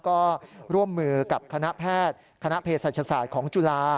ก็ร่วมมือกับคณะแพทย์คณะเพศศาสตร์ของจุฬา